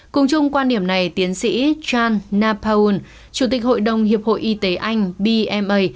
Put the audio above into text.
cùng chung quan điểm này tiến sĩ john napaul chủ tịch hội đồng hiệp hội y tế anh bma